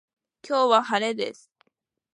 今日は晴れです。